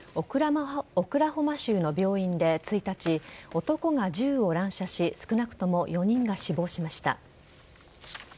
オクラホマ州の病院で１日男が銃を乱射し少なくとも４人が死亡しました。